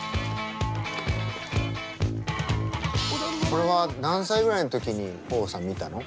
これは何歳ぐらいの時に豊豊さん見たの？